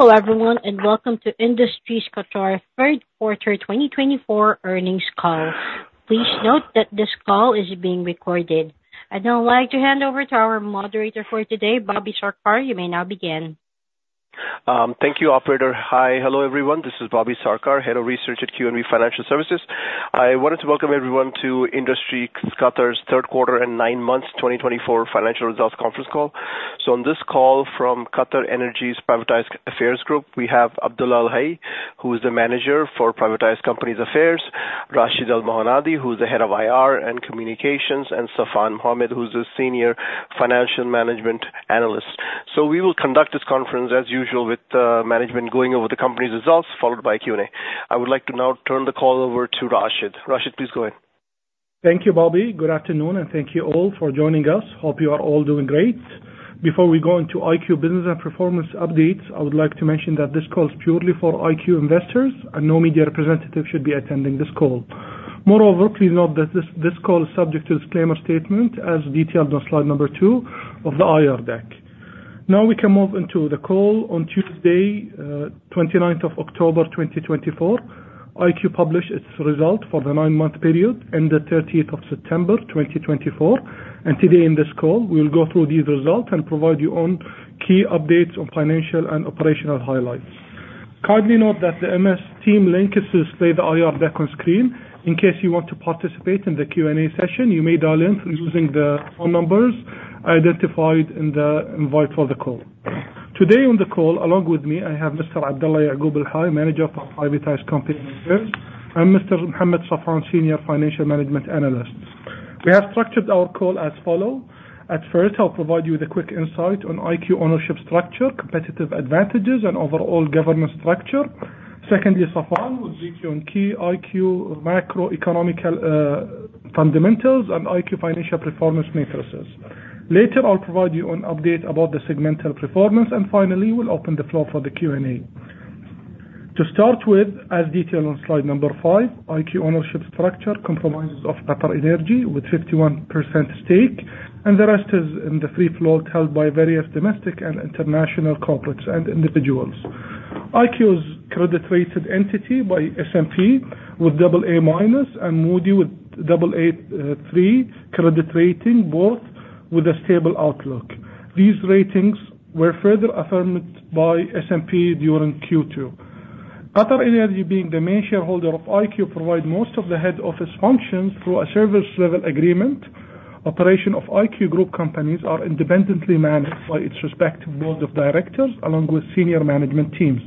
Hello, everyone. Welcome to Industries Qatar third quarter 2024 earnings call. Please note that this call is being recorded. I'd now like to hand over to our moderator for today, Bobby Sarkar. You may now begin. Thank you, operator. Hi. Hello, everyone. This is Bobby Sarkar, Head of Research at QNB Financial Services. I wanted to welcome everyone to Industries Qatar's third quarter and nine months 2024 financial results conference call. On this call from QatarEnergy's Privatized Companies Affairs, we have Abdulla Al-Hay, who is the Manager for Privatized Companies Affairs, Rashid Al-Mohannadi, who's the Head of IR and Communications, and Saffan Mohammed, who's the Senior Financial Management Analyst. We will conduct this conference as usual with management going over the company's results, followed by Q&A. I would like to now turn the call over to Rashid. Rashid, please go ahead. Thank you, Bobby. Good afternoon. Thank you all for joining us. Hope you are all doing great. Before we go into IQ business and performance updates, I would like to mention that this call is purely for IQ investors, and no media representatives should be attending this call. Moreover, please note that this call is subject to disclaimer statement as detailed on slide two of the IR deck. We can move into the call on Tuesday, 29th of October, 2024. IQ published its result for the nine-month period end the 13th of September 2024. Today in this call, we will go through these results and provide you on key updates on financial and operational highlights. Kindly note that the MS Team link is displayed the IR deck on screen. In case you want to participate in the Q&A session, you may dial in through using the phone numbers identified in the invite for the call. Today on the call, along with me, I have Mr. Abdulla Al-Hay, Manager for Privatized Companies Affairs, and Mr. Saffan Mohammed, Senior Financial Management Analyst. We have structured our call as follow. At first, I'll provide you with a quick insight on IQ ownership structure, competitive advantages, and overall governance structure. Secondly, Saffan will brief you on key IQ macroeconomic fundamentals and IQ financial performance metrics. Finally, we'll open the floor for the Q&A. To start with, as detailed on slide five, IQ ownership structure comprises of QatarEnergy with 51% stake, and the rest is in the free float held by various domestic and international corporates and individuals. IQ is credit rated entity by S&P with double A-minus and Moody's with double A three credit rating, both with a stable outlook. These ratings were further affirmed by S&P during Q2. QatarEnergy being the main shareholder of IQ provide most of the head office functions through a service level agreement. Operation of IQ group companies are independently managed by its respective board of directors along with senior management teams.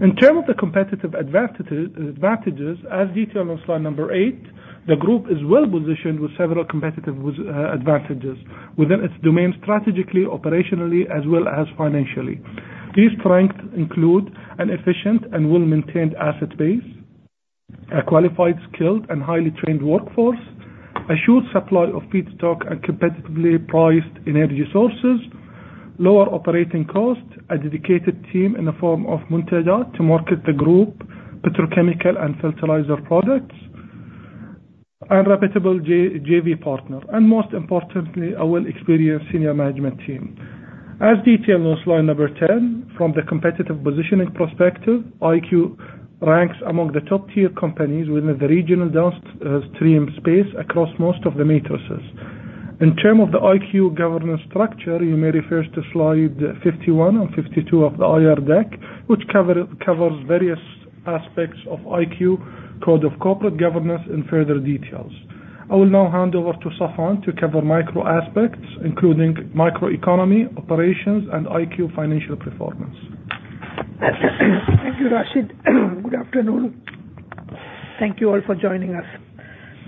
In terms of the competitive advantages, as detailed on slide eight, the group is well-positioned with several competitive advantages within its domain, strategically, operationally, as well as financially. These strengths include an efficient and well-maintained asset base, a qualified, skilled, and highly trained workforce, a sure supply of feedstock and competitively priced energy sources, lower operating costs, a dedicated team in the form of Muntajat to market the group, petrochemical and fertilizer products, and reputable JV partner. Most importantly, a well-experienced senior management team. As detailed on slide 10, from the competitive positioning perspective, IQ ranks among the top-tier companies within the regional downstream space across most of the matrices. In terms of the IQ governance structure, you may refer to slide 51 and 52 of the IR deck, which covers various aspects of IQ code of corporate governance in further details. I will now hand over to Safwan to cover macro aspects, including macroeconomy, operations, and IQ financial performance. Thank you, Rashid. Good afternoon. Thank you all for joining us.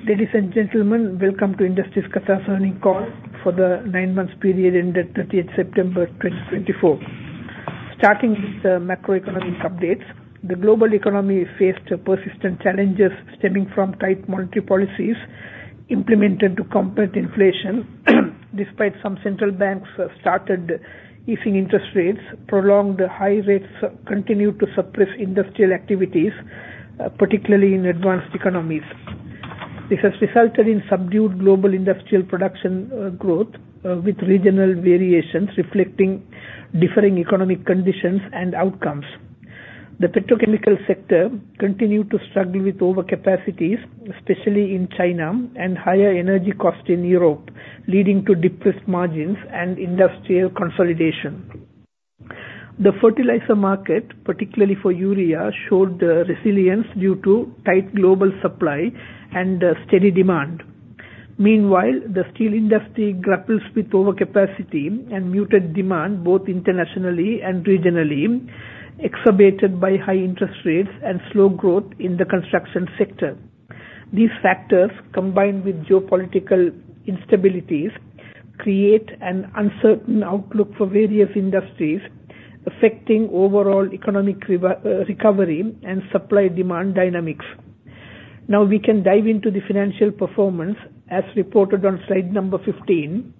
Ladies and gentlemen, welcome to Industries Qatar's earnings call for the nine months period ended 30 of September, 2024. Starting with the macroeconomic updates. The global economy faced persistent challenges stemming from tight monetary policies implemented to combat inflation. Despite some central banks have started easing interest rates, prolonged high rates continue to suppress industrial activities, particularly in advanced economies. This has resulted in subdued global industrial production growth with regional variations reflecting differing economic conditions and outcomes. The petrochemical sector continue to struggle with overcapacities, especially in China, and higher energy cost in Europe, leading to depressed margins and industrial consolidation. The fertilizer market, particularly for urea, showed resilience due to tight global supply and steady demand. Meanwhile, the steel industry grapples with overcapacity and muted demand both internationally and regionally, exacerbated by high interest rates and slow growth in the construction sector. These factors, combined with geopolitical instabilities, create an uncertain outlook for various industries, affecting overall economic recovery and supply-demand dynamics. Now we can dive into the financial performance as reported on slide 15.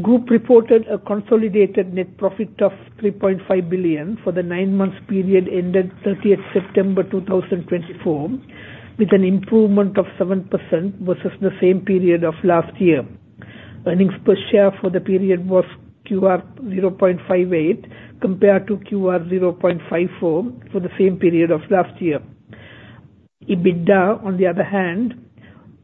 Group reported a consolidated net profit of 3.5 billion for the nine months period ended 30 of September 2024. With an improvement of 7% versus the same period of last year. Earnings per share for the period was QR0.58, compared to QR0.54 for the same period of last year. EBITDA, on the other hand,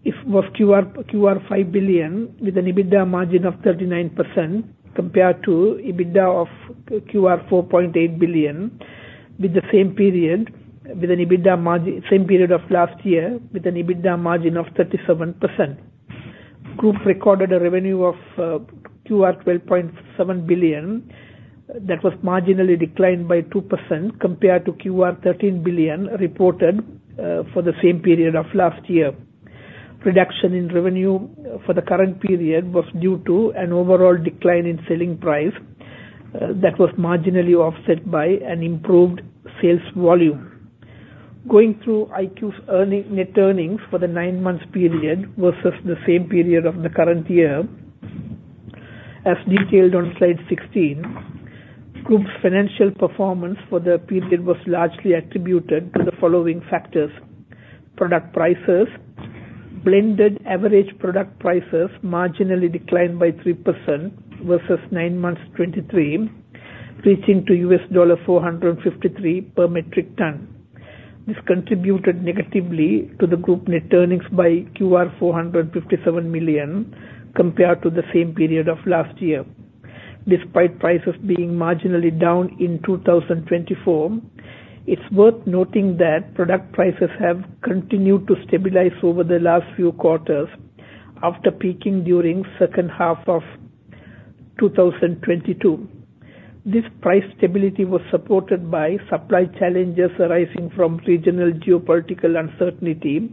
it was QR5 billion with an EBITDA margin of 39%, compared to EBITDA of QR4.8 billion with the same period of last year, with an EBITDA margin of 37%. Group recorded a revenue of 12.7 billion that was marginally declined by 2% compared to 13 billion reported for the same period of last year. Reduction in revenue for the current period was due to an overall decline in selling price that was marginally offset by an improved sales volume. Going through IQ's net earnings for the nine-month period versus the same period of the current year, as detailed on slide 16. Group's financial performance for the period was largely attributed to the following factors. Product prices. Blended average product prices marginally declined by 3% versus nine months 2023, reaching to $453 per metric ton. This contributed negatively to the group net earnings by 457 million compared to the same period of last year. Despite prices being marginally down in 2024, it's worth noting that product prices have continued to stabilize over the last few quarters after peaking during second half of 2022. This price stability was supported by supply challenges arising from regional geopolitical uncertainty,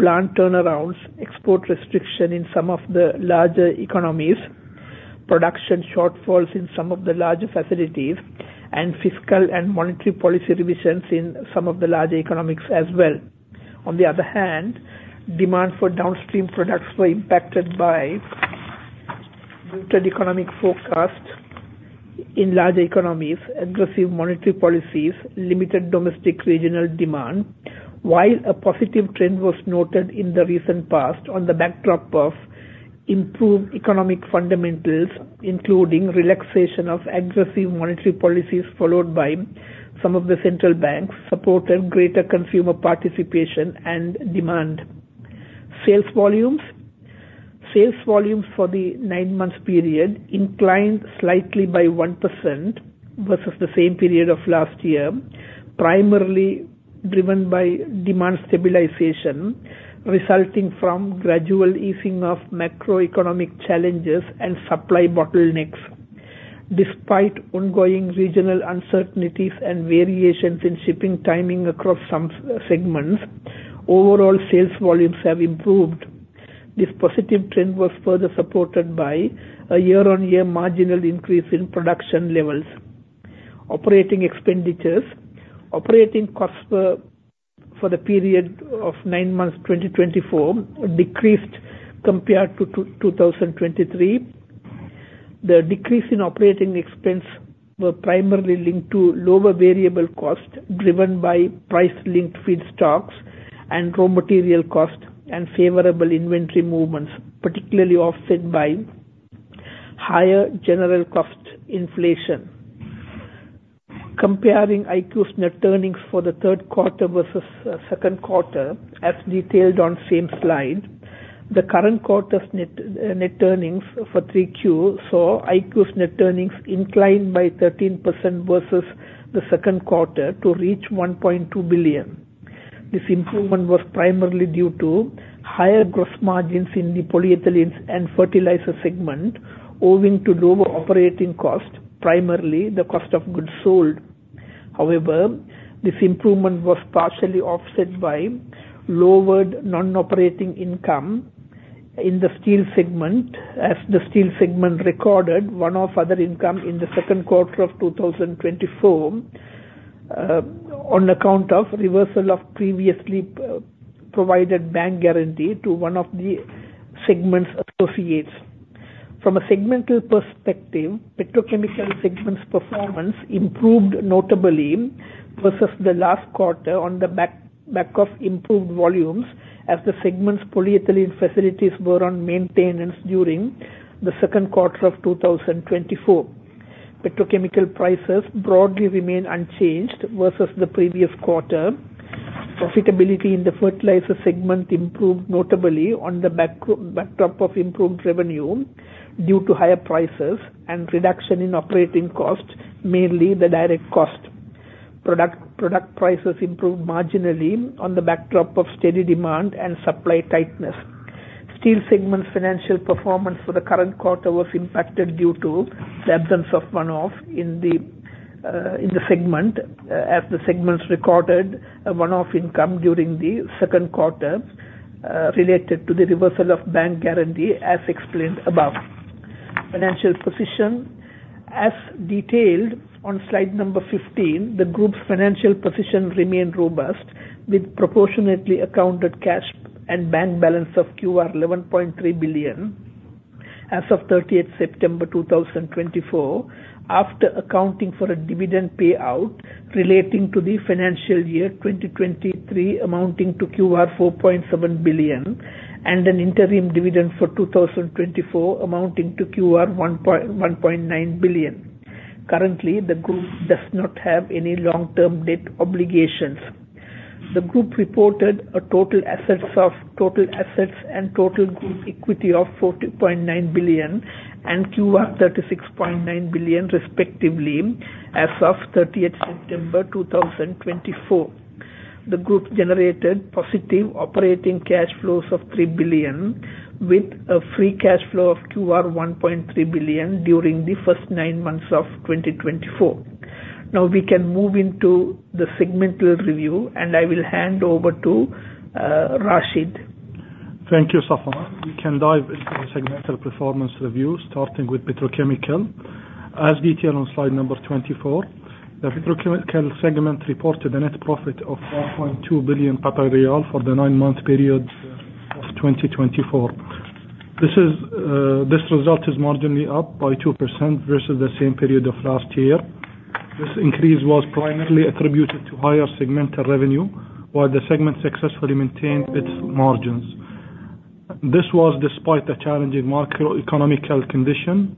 plant turnarounds, export restriction in some of the larger economies, production shortfalls in some of the larger facilities, and fiscal and monetary policy revisions in some of the larger economies as well. On the other hand, demand for downstream products were impacted by greater economic headwinds in large economies, aggressive monetary policies, limited domestic regional demand. While a positive trend was noted in the recent past on the backdrop of improved economic fundamentals, including relaxation of aggressive monetary policies, followed by some of the central banks supported greater consumer participation and demand. Sales volumes. Sales volumes for the nine-month period inclined slightly by 1% versus the same period of last year, primarily driven by demand stabilization, resulting from gradual easing of macroeconomic challenges and supply bottlenecks. Despite ongoing regional uncertainties and variations in shipping timing across some segments, overall sales volumes have improved. This positive trend was further supported by a year-on-year marginal increase in production levels. Operating expenditures. Operating costs for the period of nine months 2024 decreased compared to 2023. The decrease in operating expense were primarily linked to lower variable cost, driven by price-linked feedstocks and raw material cost and favorable inventory movements, partially offset by higher general cost inflation. Comparing IQ's net earnings for the third quarter versus second quarter as detailed on same slide. The current quarter's net earnings for 3Q saw IQ's net earnings inclined by 13% versus the second quarter to reach 1.2 billion. This improvement was primarily due to higher gross margins in the polyethylene and fertilizer segment, owing to lower operating cost, primarily the cost of goods sold. However, this improvement was partially offset by lowered non-operating income in the steel segment as the steel segment recorded one-off other income in the second quarter of 2024, on account of reversal of previously provided bank guarantee to one of the segment's associates. From a segmental perspective, petrochemical segment's performance improved notably versus the last quarter on the back of improved volumes as the segment's polyethylene facilities were on maintenance during the second quarter of 2024. Petrochemical prices broadly remain unchanged versus the previous quarter. Profitability in the fertilizer segment improved notably on the backdrop of improved revenue due to higher prices and reduction in operating costs, mainly the direct cost. Product prices improved marginally on the backdrop of steady demand and supply tightness. Steel segment financial performance for the current quarter was impacted due to the absence of one-off in the segment, as the segment recorded a one-off income during the second quarter, related to the reversal of bank guarantee, as explained above. Financial position. As detailed on slide 15, the group's financial position remained robust with proportionately accounted cash and bank balance of 11.3 billion. As of 30th September 2024, after accounting for a dividend payout relating to the financial year 2023 amounting to 4.7 billion and an interim dividend for 2024 amounting to 1.9 billion. Currently, the group does not have any long-term debt obligations. The group reported a total assets and total group equity of 40.9 billion and 36.9 billion respectively, as of 30th September 2024. The group generated positive operating cash flows of 3 billion, with a free cash flow of 1.3 billion during the first nine months of 2024. We can move into the segmental review, and I will hand over to Rashid. Thank you, Safwan. We can dive into the segmental performance review, starting with Petrochemical. As detailed on slide 24, the Petrochemical segment reported a net profit of 4.2 billion riyal for the nine-month period of 2024. This result is marginally up by 2% versus the same period of last year. This increase was primarily attributed to higher segmental revenue, while the segment successfully maintained its margins. This was despite the challenging macroeconomic condition.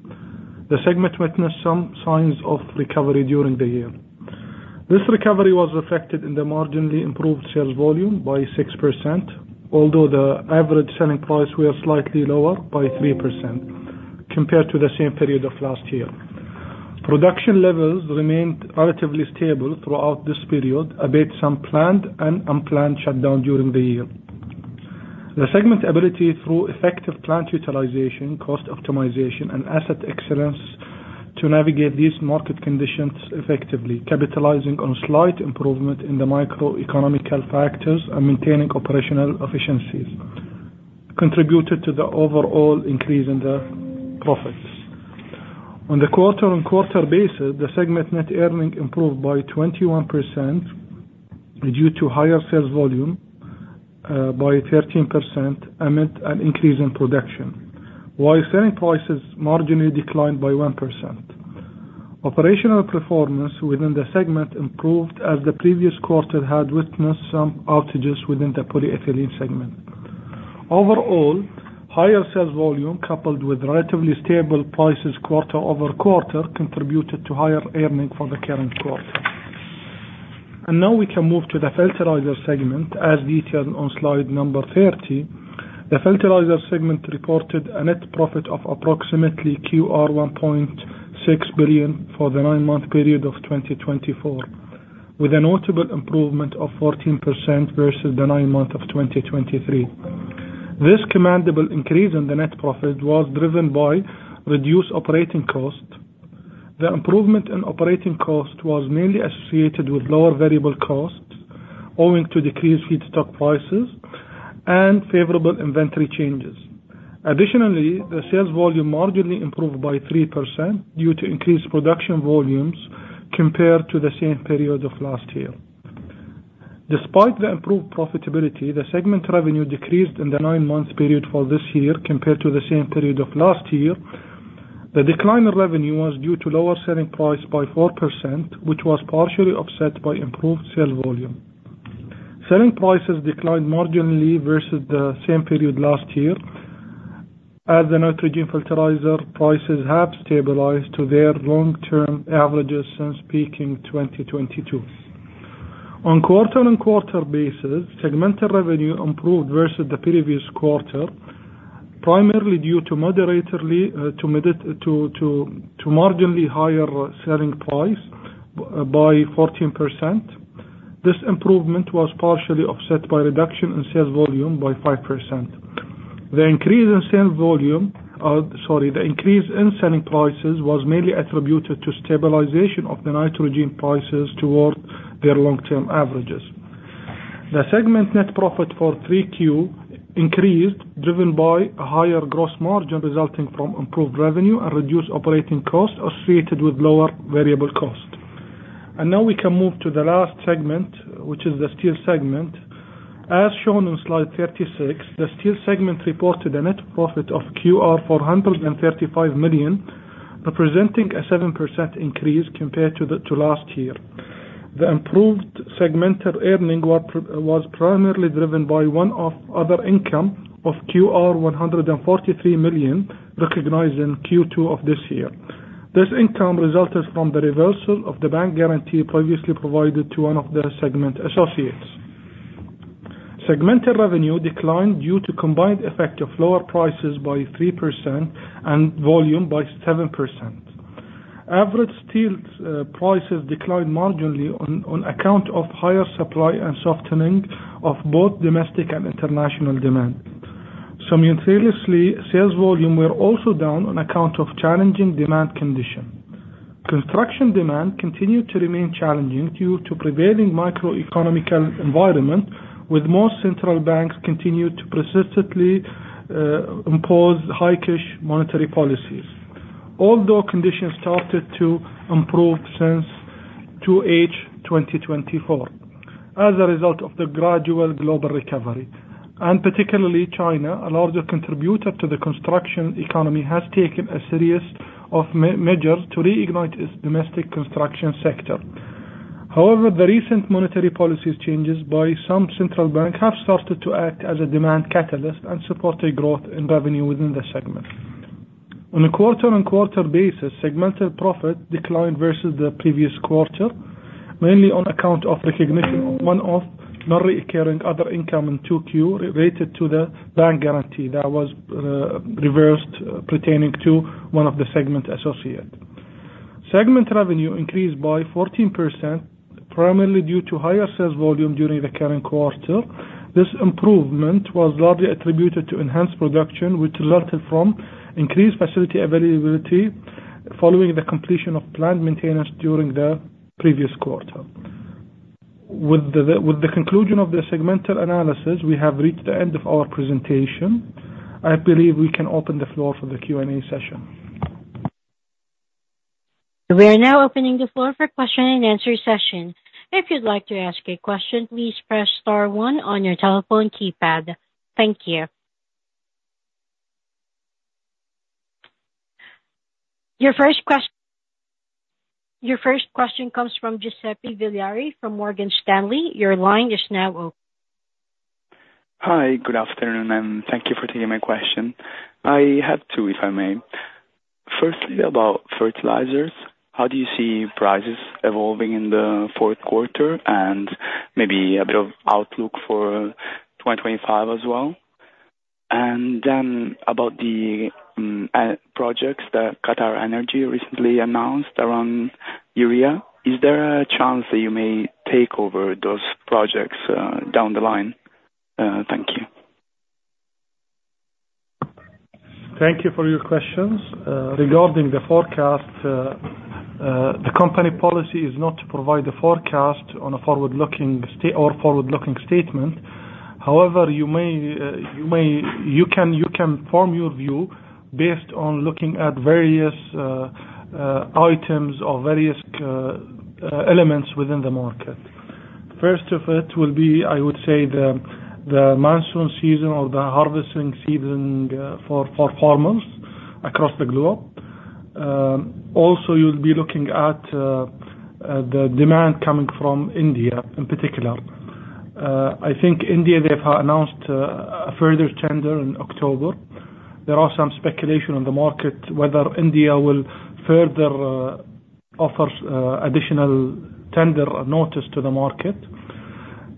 The segment witnessed some signs of recovery during the year. This recovery was reflected in the marginally improved sales volume by 6%, although the average selling price was slightly lower by 3%, compared to the same period of last year. Production levels remained relatively stable throughout this period, albeit some planned and unplanned shutdowns during the year. The segment's ability through effective plant utilization, cost optimization, and asset excellence to navigate these market conditions effectively, capitalizing on slight improvement in the microeconomic factors and maintaining operational efficiencies, contributed to the overall increase in the profits. On the quarter-on-quarter basis, the segment net earnings improved by 21% due to higher sales volume by 13% amid an increase in production. Selling prices marginally declined by 1%. Operational performance within the segment improved, as the previous quarter had witnessed some outages within the polyethylene segment. Overall, higher sales volume, coupled with relatively stable prices quarter-over-quarter, contributed to higher earnings for the current quarter. We can move to the Fertilizer segment, as detailed on slide 30. The Fertilizer segment reported a net profit of approximately 1.6 billion for the nine-month period of 2024, with a notable improvement of 14% versus the nine month of 2023. This commendable increase in the net profit was driven by reduced operating costs. The improvement in operating costs was mainly associated with lower variable costs, owing to decreased feedstock prices and favorable inventory changes. Additionally, the sales volume marginally improved by 3% due to increased production volumes compared to the same period of last year. Despite the improved profitability, the segment revenue decreased in the nine months period for this year compared to the same period of last year. The decline in revenue was due to lower selling price by 4%, which was partially offset by improved sales volume. Selling prices declined marginally versus the same period last year, as the nitrogen fertilizer prices have stabilized to their long-term averages since peaking 2022. On a quarter-on-quarter basis, segmental revenue improved versus the previous quarter, primarily due to marginally higher selling prices by 14%. This improvement was partially offset by reduction in sales volume by 5%. The increase in selling prices was mainly attributed to stabilization of the nitrogen prices toward their long-term averages. The segment net profit for 3Q increased, driven by a higher gross margin resulting from improved revenue and reduced operating costs associated with lower variable costs. Now we can move to the last segment, which is the Steel segment. As shown on slide 36, the Steel segment reported a net profit of 435 million, representing a 7% increase compared to last year. The improved segmental earning was primarily driven by one-off other income of 143 million, recognized in Q2 of this year. This income resulted from the reversal of the bank guarantee previously provided to one of the segment associates. Segmental revenue declined due to combined effect of lower prices by 3% and volume by 7%. Average steel prices declined marginally on account of higher supply and softening of both domestic and international demand. Similarly, sales volume were also down on account of challenging demand conditions. Construction demand continued to remain challenging due to prevailing macroeconomic environment, with most central banks continued to persistently impose hawkish monetary policies. Although conditions started to improve since 2H 2024, as a result of the gradual global recovery. Particularly China, a larger contributor to the construction economy, has taken a series of measures to reignite its domestic construction sector. The recent monetary policy changes by some central banks have started to act as a demand catalyst and support a growth in revenue within the segment. On a quarter-on-quarter basis, segmental profit declined versus the previous quarter, mainly on account of recognition of one-off non-recurring other income in 2Q related to the bank guarantee that was reversed pertaining to one of the segment associate. Segment revenue increased by 14%, primarily due to higher sales volume during the current quarter. This improvement was largely attributed to enhanced production, which benefited from increased facility availability following the completion of planned maintenance during the previous quarter. With the conclusion of the segmental analysis, we have reached the end of our presentation. I believe we can open the floor for the Q&A session. We are now opening the floor for question and answer session. If you'd like to ask a question, please press star one on your telephone keypad. Thank you. Your first question comes from Giuseppe Billiari from Morgan Stanley. Your line is now open. Hi. Good afternoon, thank you for taking my question. I have two, if I may. Firstly, about fertilizers. How do you see prices evolving in the fourth quarter? Maybe a bit of outlook for 2025 as well. Then about the projects that QatarEnergy recently announced around urea. Is there a chance that you may take over those projects down the line? Thank you. Thank you for your questions. Regarding the forecast, the company policy is not to provide the forecast or forward-looking statement. However, you can form your view based on looking at various items or various elements within the market. First of it will be, I would say, the monsoon season or the harvesting season for farmers across the globe. Also, you'll be looking at the demand coming from India in particular. I think India, they have announced a further tender in October. There are some speculation on the market whether India will further offer additional tender notice to the market.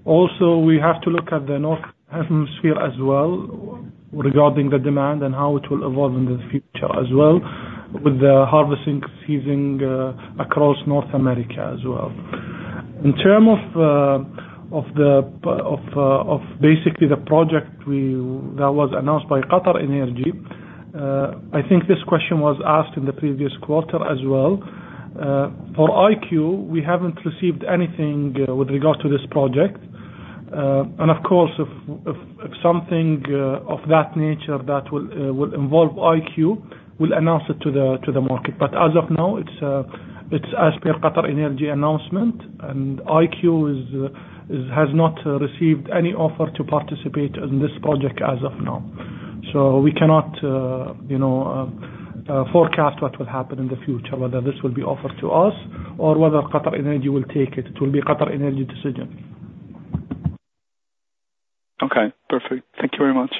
Also, we have to look at the Northern Hemisphere as well regarding the demand and how it will evolve in the future as well, with the harvesting season across North America as well. In term of basically the project that was announced by QatarEnergy, I think this question was asked in the previous quarter as well. For IQ, we haven't received anything with regard to this project. Of course, if something of that nature that will involve IQ, we'll announce it to the market. As of now, it's as per QatarEnergy announcement, and IQ has not received any offer to participate in this project as of now. We cannot forecast what will happen in the future, whether this will be offered to us or whether QatarEnergy will take it. It will be a QatarEnergy decision. Okay, perfect. Thank you very much.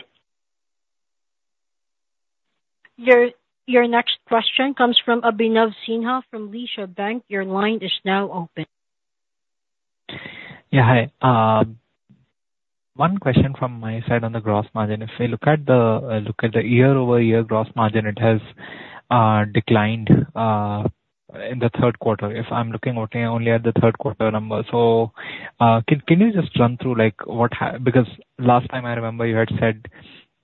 Your next question comes from Abhinav Sinha from Bank Leumi. Your line is now open. Yeah. Hi. One question from my side on the gross margin. If we look at the year-over-year gross margin, it has declined in the third quarter. If I'm looking only at the third quarter number. Can you just run through what happened? Because last time I remember you had said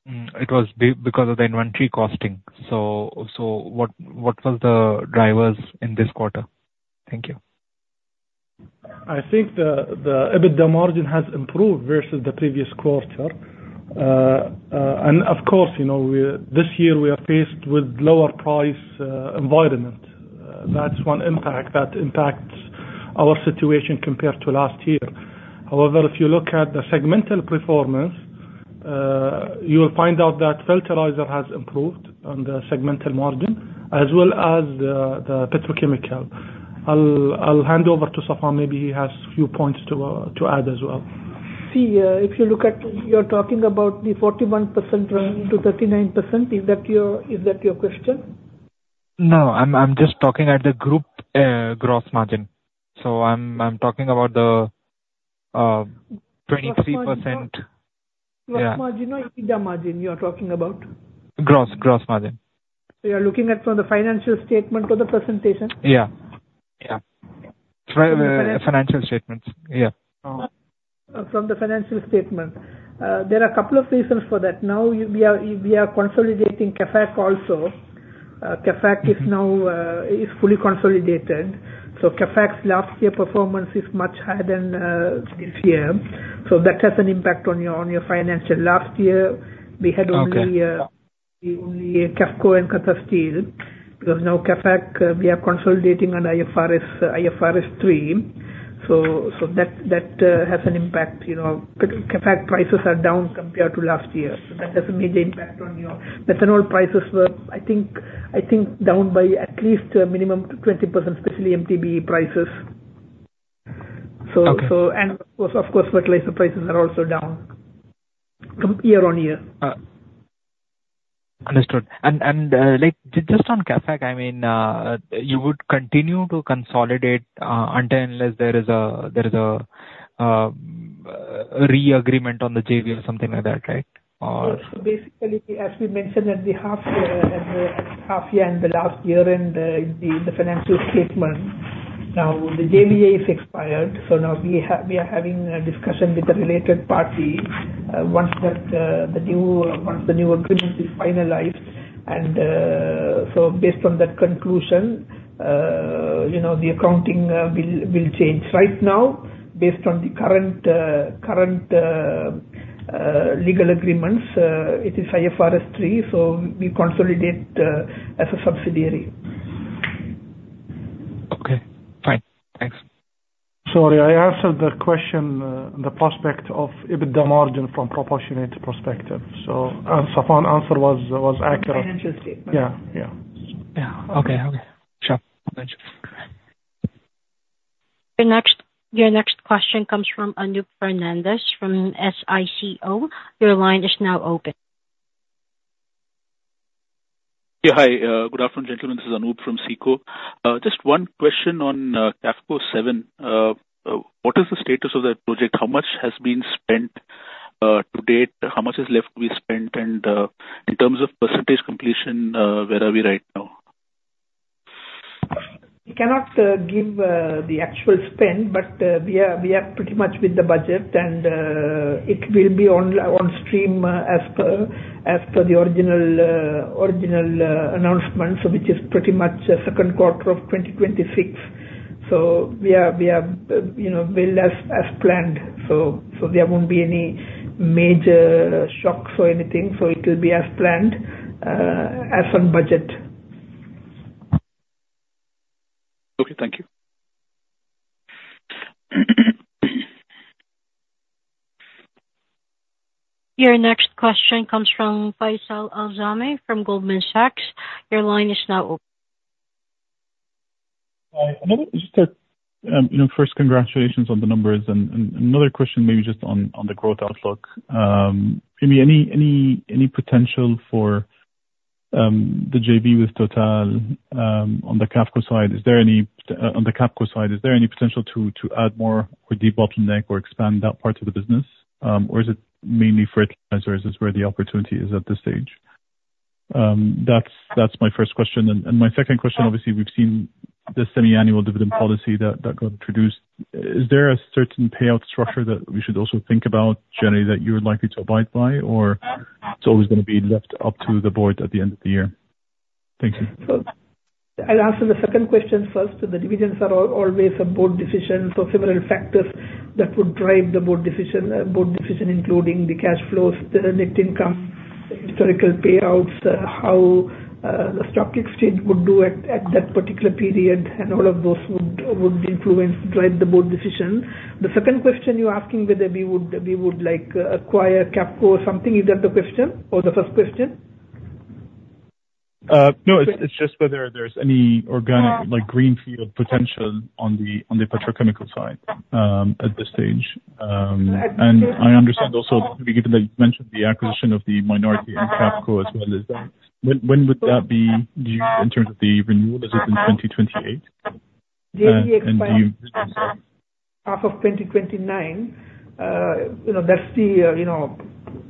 it was because of the inventory costing. What was the drivers in this quarter? Thank you. I think the EBITDA margin has improved versus the previous quarter. Of course, this year we are faced with lower price environment. That's one impact that impacts our situation compared to last year. However, if you look at the segmental performance, you will find out that fertilizer has improved on the segmental margin as well as the petrochemical. I'll hand over to Safwan. Maybe he has a few points to add as well. if you look at, you're talking about the 41% running to 39%. Is that your question? I'm just talking at the group gross margin. I'm talking about the 23%. Yeah. Gross margin or EBITDA margin you are talking about? Gross margin. You're looking at from the financial statement or the presentation? Yeah. Financial statements. Yeah. From the financial statement. There are a couple of reasons for that. Now, we are consolidating QAFAC also. QAFAC is now fully consolidated. QAFAC's last year performance is much higher than this year. That has an impact on your financial. Last year, we had. Okay The only Qafco and Qatar Steel, because now QAFAC, we are consolidating on IFRS 3. That has an impact. QAFAC prices are down compared to last year. That has a major impact on methanol prices were, I think, down by at least a minimum 20%, especially MTBE prices. Okay. Of course, fertilizer prices are also down from year-on-year. Understood. Just on QAFAC, you would continue to consolidate until and unless there is a re-agreement on the JDA or something like that, right? Basically, as we mentioned at the half year and the last year in the financial statement, now the JDA is expired. Now we are having a discussion with the related parties once the new agreement is finalized. Based on that conclusion, the accounting will change. Right now, based on the current legal agreements, it is IFRS 3, so we consolidate as a subsidiary. Okay, fine. Thanks. Sorry, I answered the question on the prospect of EBITDA margin from proportionate perspective. Safwan's answer was accurate. From financial statement. Yeah. Okay. Sure. Thanks. Your next question comes from Anup Fernandes from SICO. Your line is now open. Yeah. Hi, good afternoon, gentlemen. This is Anup from SICO. Just one question on Qafco 7. What is the status of that project? How much has been spent to date? How much is left to be spent? In terms of % completion, where are we right now? We cannot give the actual spend. We are pretty much with the budget, and it will be on stream as per the original announcement, which is pretty much the second quarter of 2026. We are built as planned. There won't be any major shocks or anything. It will be as planned as on budget. Okay, thank you. Your next question comes from Faisal AlAzmeh from Goldman Sachs. Your line is now open. Hi. First, congratulations on the numbers. Another question maybe just on the growth outlook. Any potential for the JV with TotalEnergies on the Qafco side? On the Qafco side, is there any potential to add more or debottleneck or expand that part of the business? Is it mainly fertilizers is where the opportunity is at this stage? That's my first question. My second question, obviously, we've seen the semi-annual dividend policy that got introduced. Is there a certain payout structure that we should also think about, generally, that you're likely to abide by, or it's always going to be left up to the board at the end of the year? Thank you. I'll answer the second question first. The dividends are always a board decision. Several factors that would drive the board decision, including the cash flows, the net income, historical payouts, how the stock exchange would do at that particular period, and all of those would influence, drive the board decision. The second question you're asking whether we would acquire Qafco or something. Is that the question, or the first question? No, it's just whether there's any organic, greenfield potential on the petrochemical side at this stage. I understand also, given that you mentioned the acquisition of the minority in Qafco as well as that. When would that be due in terms of the renewal? Is it in 2028? JDA expires half of 2029. That's the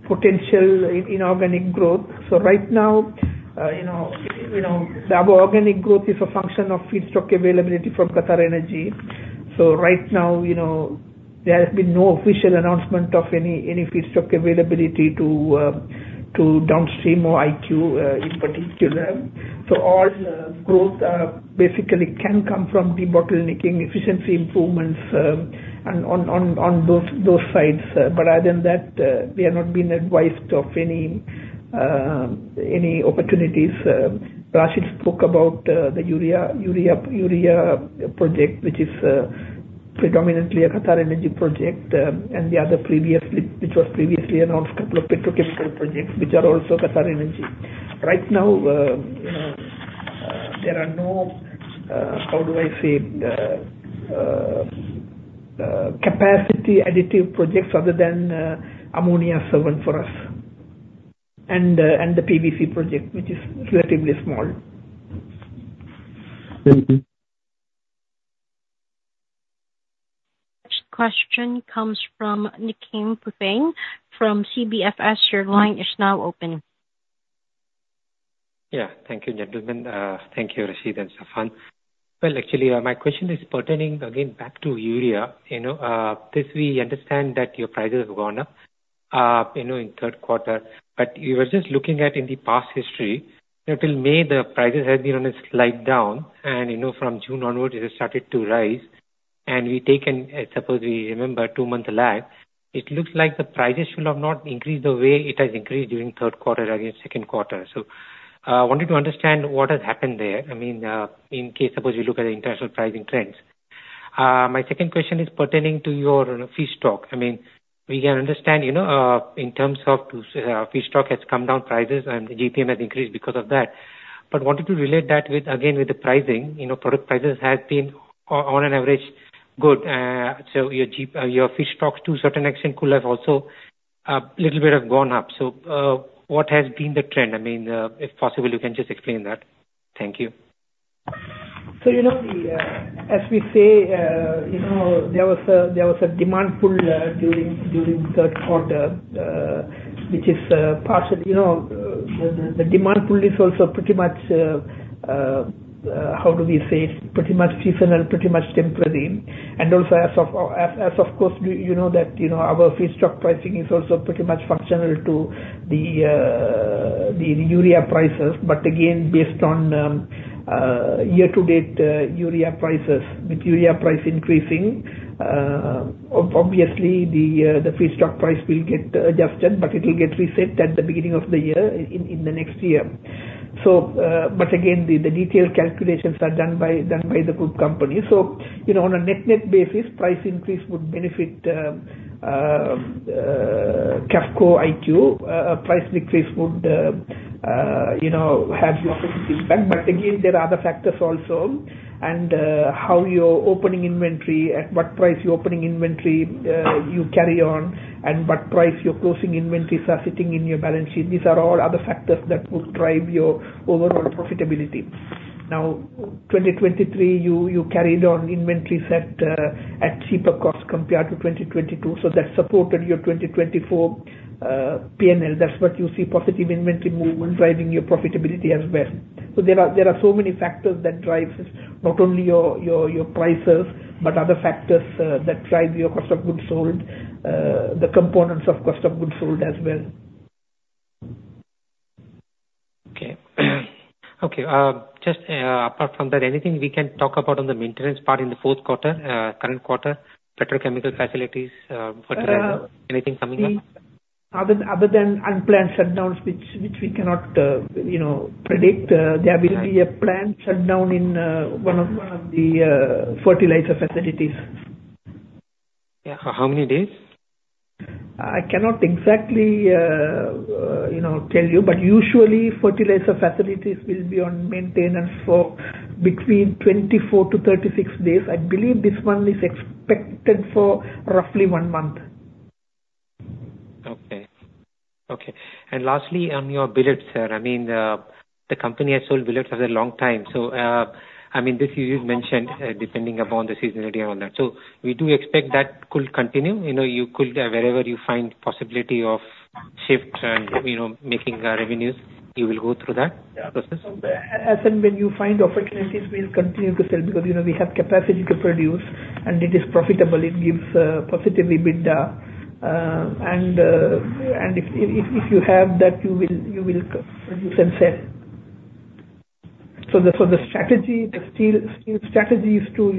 potential inorganic growth. Right now, the organic growth is a function of feedstock availability from QatarEnergy. Right now, there has been no official announcement of any feedstock availability to downstream or IQ in particular. All growth basically can come from debottlenecking, efficiency improvements, and on those sides. Other than that, we have not been advised of any opportunities. Rashid spoke about the urea project, which is predominantly a QatarEnergy project. The other, which was previously announced, a couple of petrochemical projects, which are also QatarEnergy. Right now, there are no, how do I say it, capacity additive projects other than Ammonia-7 for us and the PVC project, which is relatively small. Thank you. Next question comes from Nikin Pufeng from QNBFS. Your line is now open. Yeah. Thank you, gentlemen. Thank you, Rashid and Safwan. Well, actually, my question is pertaining again back to urea. We understand that your prices have gone up in the third quarter. We were just looking at in the past history, till May, the prices had been on a slide down, and from June onwards, it has started to rise. We've taken, suppose we remember two months lag, it looks like the prices should have not increased the way it has increased during third quarter against second quarter. I wanted to understand what has happened there. In case, suppose you look at the international pricing trends. My second question is pertaining to your feed stock. We can understand, in terms of feed stock has come down prices and the EPM has increased because of that. Wanted to relate that again with the pricing. Product prices have been on an average good. Your feed stocks to certain extent could have also a little bit have gone up. What has been the trend? If possible, you can just explain that. Thank you. As we say, there was a demand pull during third quarter. The demand pull is also pretty much, how do we say? Pretty much seasonal, pretty much temporary. Also as of course, you know that our feedstock pricing is also pretty much functional to the urea prices. Again, based on year-to-date urea prices. With urea price increasing, obviously the feedstock price will get adjusted, but it will get reset at the beginning of the year, in the next year. Again, the detailed calculations are done by the group company. On a net-net basis, price increase would benefit Qafco, IQ. Price increase would have positive impact. Again, there are other factors also and how your opening inventory, at what price your opening inventory you carry on, and what price your closing inventories are sitting in your balance sheet. These are all other factors that would drive your overall profitability. Now, 2023, you carried on inventories at cheaper cost compared to 2022, so that supported your 2024 PNL. That's what you see positive inventory movement driving your profitability as well. There are so many factors that drives this. Not only your prices, but other factors that drive your cost of goods sold, the components of cost of goods sold as well. Just apart from that, anything we can talk about on the maintenance part in the fourth quarter, current quarter, petrochemical facilities, fertilizer, anything coming up? Other than unplanned shutdowns, which we cannot predict, there will be a planned shutdown in one of the fertilizer facilities. Yeah. How many days? I cannot exactly tell you. Usually, fertilizer facilities will be on maintenance for between 24 to 36 days. I believe this one is expected for roughly one month. Okay. Lastly, on your billets, sir, the company has sold billets for a long time. This you did mention, depending upon the seasonality and all that. We do expect that could continue, wherever you find possibility of shift and making revenues, you will go through that process? Yeah. As and when you find opportunities, we'll continue to sell because we have capacity to produce and it is profitable, it gives positive EBITDA. If you have that, you will produce and sell. The steel strategy is to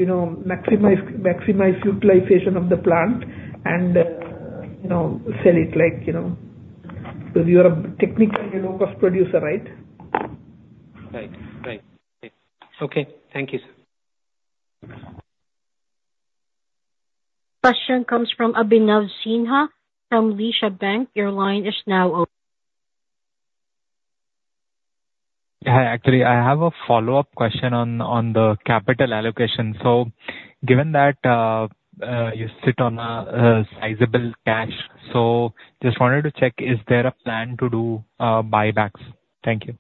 maximize utilization of the plant and sell it, because you are technically a low-cost producer, right? Right. Okay. Thank you, sir. Question comes from Abhinav Sinha, from Bank Leumi. Your line is now open. Hi. Actually, I have a follow-up question on the capital allocation. Given that you sit on a sizable cash, just wanted to check, is there a plan to do buybacks? Thank you.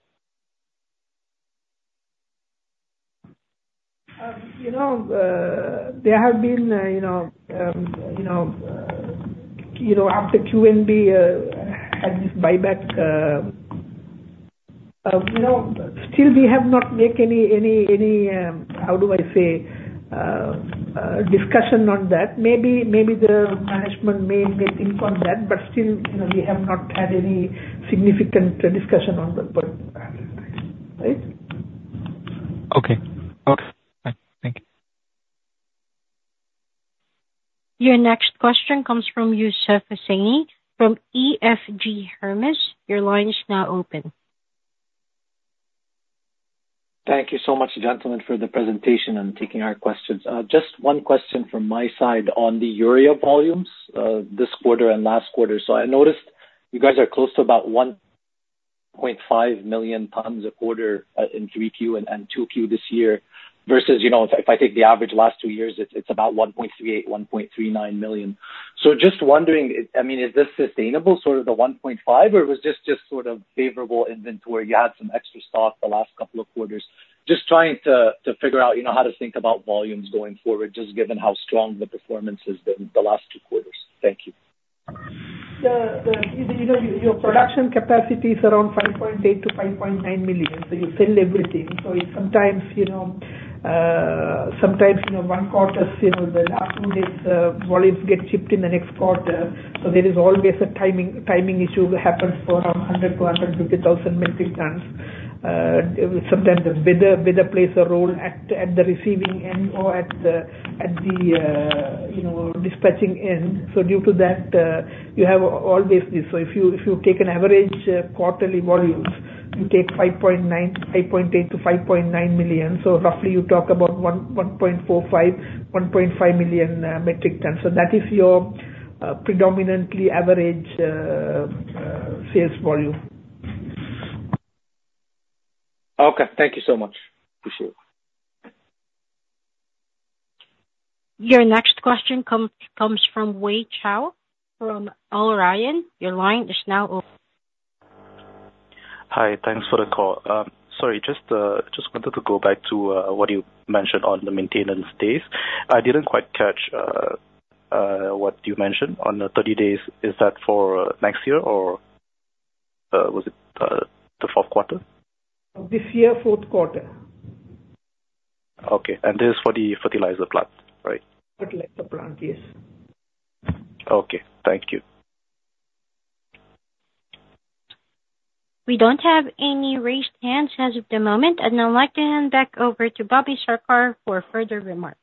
There have been, after QNB had this buyback, still we have not make any, how do I say? Discussion on that. Maybe the management may think on that, still, we have not had any significant discussion on that part. Right? Okay. Thank you. Your next question comes from Yousef Husseini from EFG Hermes. Your line is now open. Thank you so much, gentlemen, for the presentation and taking our questions. Just one question from my side on the urea volumes, this quarter and last quarter. I noticed you guys are close to about 1.5 million tons a quarter in 3Q and 2Q this year versus, if I take the average last two years, it's about 1.38 million, 1.39 million. Just wondering, is this sustainable, sort of the 1.5? Or was this just sort of favorable inventory, you had some extra stock the last couple of quarters? Just trying to figure out how to think about volumes going forward, just given how strong the performance has been the last two quarters. Thank you. Your production capacity is around 5.8 million to 5.9 million. You sell everything. Sometimes one quarter, the last minute volumes get shipped in the next quarter. There is always a timing issue happens for around 100,000 to 150,000 metric tons. Sometimes the weather plays a role at the receiving end or at the dispatching end. Due to that you have always this. If you take an average quarterly volumes, you take 5.8 million to 5.9 million. Roughly you talk about 1.45 million, 1.5 million metric tons. That is your predominantly average sales volume. Okay. Thank you so much. Appreciate it. Your next question comes from Wai Chiu from Orion. Your line is now open. Hi. Thanks for the call. Sorry, just wanted to go back to what you mentioned on the maintenance days. I didn't quite catch what you mentioned on the 30 days. Is that for next year, or was it the fourth quarter? This year, fourth quarter. Okay. This is for the fertilizer plant, right? Fertilizer plant, yes. Okay. Thank you. We don't have any raised hands as of the moment. I'd now like to hand back over to Bobby Sarkar for further remarks.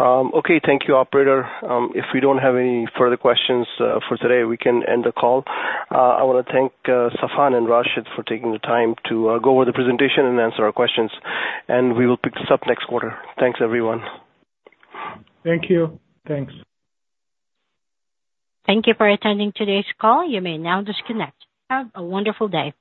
Okay. Thank you, operator. If we don't have any further questions for today, we can end the call. I want to thank Safwan and Rashid for taking the time to go over the presentation and answer our questions. We will pick this up next quarter. Thanks, everyone. Thank you. Thanks. Thank you for attending today's call. You may now disconnect. Have a wonderful day.